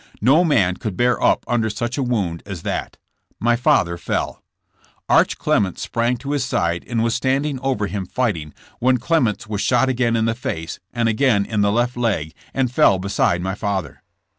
No man could bear up under such a wound as that. My father fell. Arch Clements sprang to his side and was standing over him fighting, when 46 JffiSSB lAMSS. Clements was shot again in the face and again in the left leg and fell beside my father.